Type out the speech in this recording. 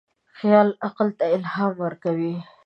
خیال عقل ته الهام ورکوي.